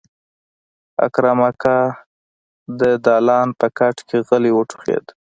اکرم اکا د دالان په کټ کې غلی وټوخېد.